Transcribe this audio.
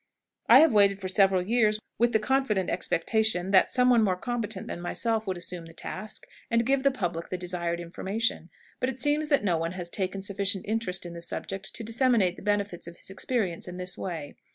I have waited for several years, with the confident expectation that some one more competent than myself would assume the task, and give the public the desired information; but it seems that no one has taken sufficient interest in the subject to disseminate the benefits of his experience in this way.